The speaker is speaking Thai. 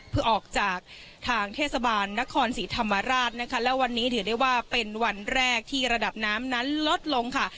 เพื่อออกจากทางเทศบาลนครศรีธรรมราชนะคะและวันนี้ถือได้ว่าเป็นวันแรกที่ระดับน้ำนั้นลดลงค่ะ